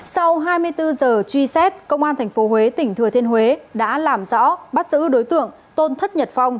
sau hai mươi bốn giờ truy xét công an tp huế tỉnh thừa thiên huế đã làm rõ bắt giữ đối tượng tôn thất nhật phong